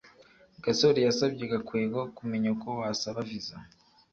gasore yasabye gakwego kumenya uko wasaba viza